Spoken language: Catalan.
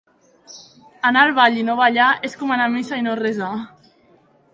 Anar al ball i no ballar és com anar a missa i no resar.